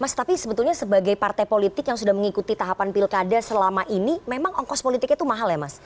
mas tapi sebetulnya sebagai partai politik yang sudah mengikuti tahapan pilkada selama ini memang ongkos politiknya itu mahal ya mas